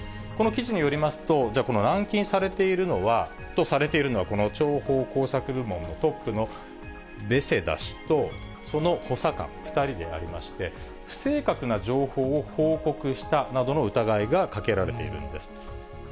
この記事によりますと、じゃあ、この軟禁されているとされているのは、この諜報・工作部門のトップのベセダ氏と、その補佐官２人でありまして、不正確な情報を報告したなどの疑いがかけられているんです。